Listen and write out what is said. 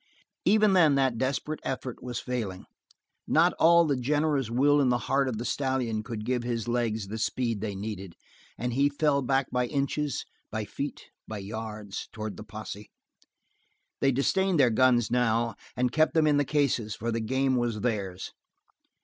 Even then that desperate effort was failing. Not all the generous will in the heart of the stallion could give his legs the speed they needed; and he fell back by inches, by feet, by yards, toward the posse. They disdained their guns now, and kept them in the cases; for the game was theirs.